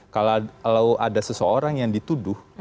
kalau ada seseorang yang dituduh